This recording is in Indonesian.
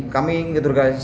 kami ingin tergantung